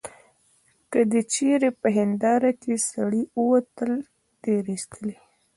که دي چیري په هنیداره کي سړی وو تېرایستلی.